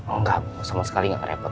enggak sama sekali gak ngerepot